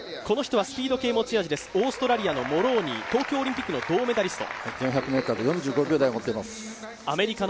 この人はスピード系持ち味です、オーストラリアのモローニー東京オリンピックの銅メダリスト。